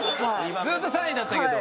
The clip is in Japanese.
ずっと３位だったけど。